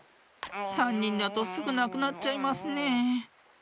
さんにんだとすぐなくなっちゃいますねえ。